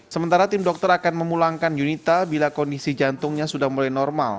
sementara tim dokter akan memulangkan yunita bila kondisi jantungnya sudah mulai normal